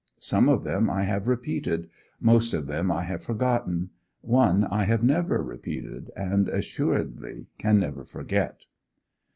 Some of them I have repeated; most of them I have forgotten; one I have never repeated, and assuredly can never forget.